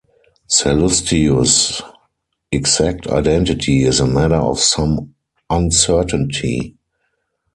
Sallustius' exact identity is a matter of some uncertainty.